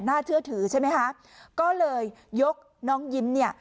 เชื่อถือใช่ไหมคะก็เลยยกน้องยิ้มเนี่ย